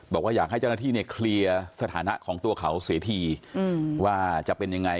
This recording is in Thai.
บอกว่าอยากให้เจ้าหน้าที่เนี่ยเคลียร์สถานะของตัวเขาเสียทีว่าจะเป็นยังไง